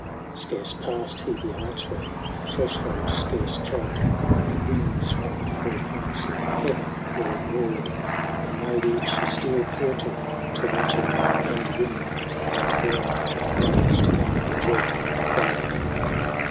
719 Scarce passed he the archway, the threshold scarce trod, When the winds from the four points of heaven were abroad ; They made each steel portal to rattle and ring. And, borne on the blast, came the dread Fire King.